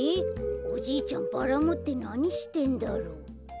おじいちゃんバラもってなにしてんだろう。